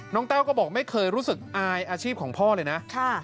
แต้วก็บอกไม่เคยรู้สึกอายอาชีพของพ่อเลยนะ